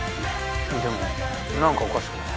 でもなんかおかしくない？